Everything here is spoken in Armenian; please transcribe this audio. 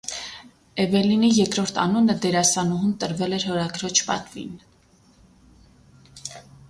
Էվելինի երկրորդ անունը դերասանուհուն տրվել է հորաքրոջ պատվին։